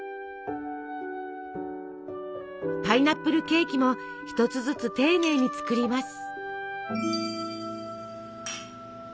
パイナップルケーキも一つずつ丁寧に作ります。